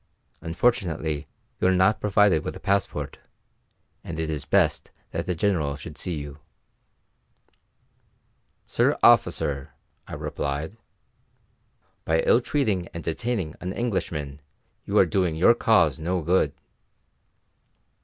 Unfortunately you are not provided with a passport, and it is best that the General should see you." "Sir officer," I replied, "by ill treating and detaining an Englishman you are doing your cause no good."